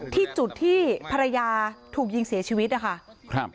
ที่จุดที่ภรรยาถูกยิงเสียชีวิตนะคะ